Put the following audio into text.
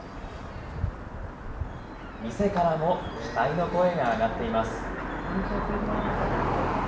店からも期待の声が上がっています。